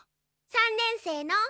三年生の？